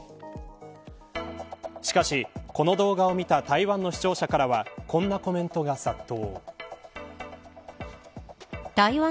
しかし、この動画を見た台湾の視聴者からはこんなコメントが殺到。